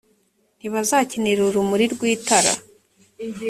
ntibazakenera urumuri rw itara